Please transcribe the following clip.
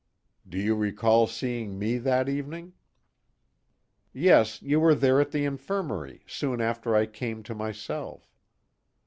"Do you recall seeing me that evening?" "Yes, you were there at the infirmary, soon after I came to myself."